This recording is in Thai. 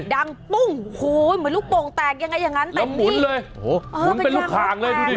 ดังปุ้งโหเหมือนลูกโป่งแตกยังไงอย่างนั้นแต่มีโหมุนไปลูกขางเลยดูดิ